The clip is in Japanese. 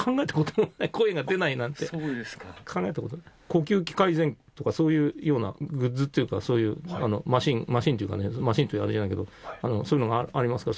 呼吸器改善とかそういうようなグッズっていうかそういうマシンマシンというかねマシンっていうあれじゃないけどそういうのがありますから。